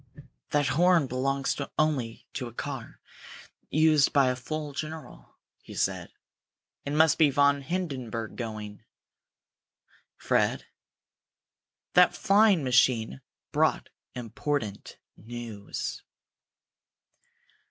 "That horn belongs only to a car used by a full general!" he said. "It must be von Hindenburg going, Fred! That flying machine brought important news!"